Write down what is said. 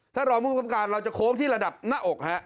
รองผู้ประคับการเราจะโค้งที่ระดับหน้าอกฮะ